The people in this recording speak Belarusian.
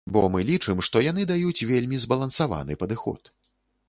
Бо мы лічым, што яны даюць вельмі збалансаваны падыход.